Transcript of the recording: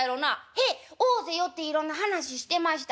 「へえ大勢寄っていろんな話してました。